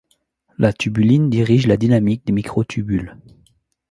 La tubuline dirige la dynamique des microtubules.